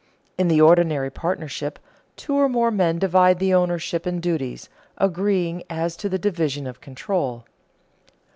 In the ordinary partnership, two or more men divide the ownership and duties, agreeing as to the division of control.